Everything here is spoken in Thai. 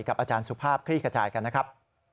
อาจารย์สุภาพคลี่ขจายกันนะครับ